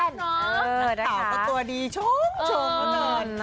นักข่าวตัวดีโช่งเลย